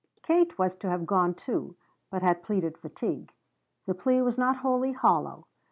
Kate was to have gone too, but had pleaded fatigue. The plea was not wholly hollow.